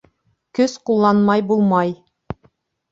Көс ҡулланмай булмай.